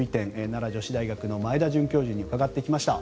奈良女子大学の前田准教授に伺ってきました。